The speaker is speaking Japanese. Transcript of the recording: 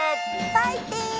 ファイティン！